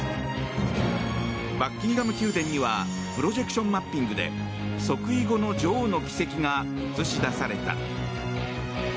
バッキンガム宮殿にはプロジェクションマッピングで即位後の女王の軌跡が映し出された。